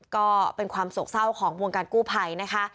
ก็เป็นความโศกเศร้าของวงการกู้ภัยนะคะ